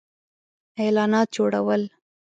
-اعلانات جوړو ل